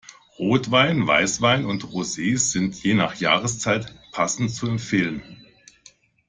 Rotwein, Weißwein und Rosee sind je nach Jahreszeit passend zu empfehlen.